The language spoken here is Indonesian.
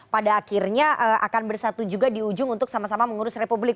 pada akhirnya akan bersatu juga di ujung untuk sama sama mengurus republik